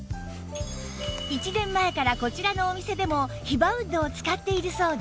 １年前からこちらのお店でもヒバウッドを使っているそうです